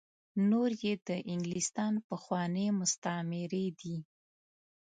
نور یې د انګلستان پخواني مستعميري دي.